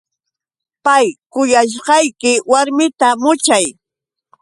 Pay kuyashqayki warmita muchay.